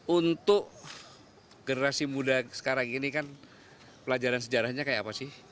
untuk generasi muda sekarang ini kan pelajaran sejarahnya kayak apa sih